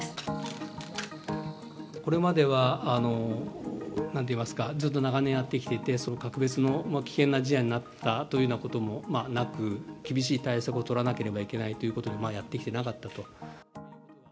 これまでは、なんといいますか、ずっと長年やってきていて、格別の危険な事案になったというようなこともなく、厳しい対策を取らなければいけないということもやってきていなか